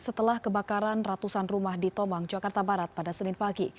setelah kebakaran ratusan rumah di tomang jakarta barat pada senin pagi